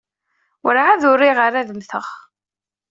Werɛad ur riɣ ara ad mmteɣ.